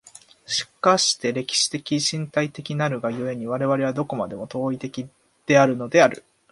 しかして歴史的身体的なるが故に、我々はどこまでも当為的であるのである。